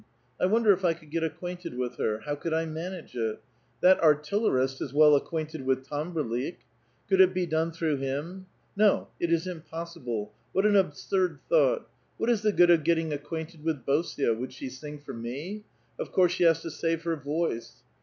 I wonder if I could get acquainted with her. How could I manage it ? That artillerist is well acquainted with Tamberlik.^ Could it be done through him ? No ; it is impossible ; what an absuixl thought ! What is tlie good of getting acquainted with Bosio ? Would she sing for me ? Of course she has to save her voice.